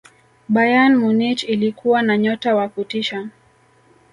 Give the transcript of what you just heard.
bayern munich ilikuwa na nyota wa kutisha